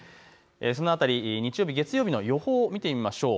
その辺り日曜日、月曜日の予報を見てみましょう。